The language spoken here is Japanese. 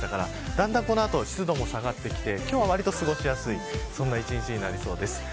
だんだんこの後、湿度も下がって今日は割と過ごしやすい一日になりそうです。